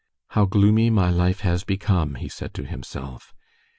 "How gloomy my life has become!" he said to himself.